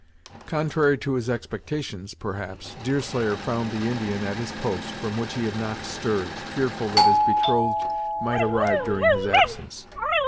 Contrary to his expectations, perhaps, Deerslayer found the Indian at his post, from which he had not stirred, fearful that his betrothed might arrive during his absence.